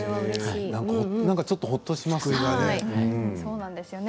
何かちょっとほっとしますね。